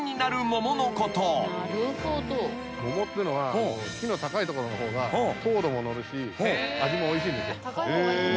桃っていうのは木の高いところの方が糖度ものるし味もおいしいんですよ。